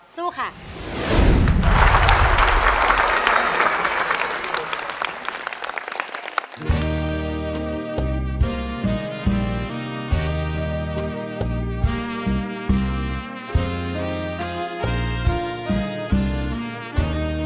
สู้ค่ะ